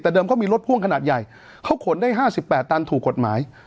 แต่เดิมเขามีรถพ่วงขนาดใหญ่เขาขนได้๕๘ตันถูกกฎหมาย